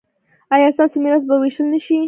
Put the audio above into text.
ایا ستاسو میراث به ویشل نه شي؟